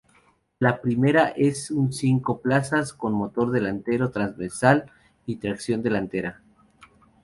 El Primera es un cinco plazas con motor delantero transversal y tracción delantera.